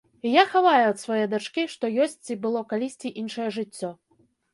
І я хаваю ад свае дачкі, што ёсць ці было калісьці іншае жыццё.